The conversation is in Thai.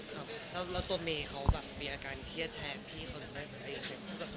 ครับแล้วตัวเมย์เขามีอาการเครียดแทนพี่เขาหรือเปล่า